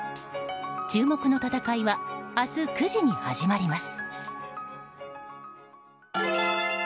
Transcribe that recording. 注目の戦いは明日９時に始まります。